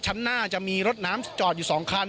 ชั้นหน้าจะมีรถน้ำจอดอยู่๒คัน